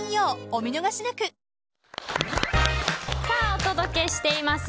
お届けしています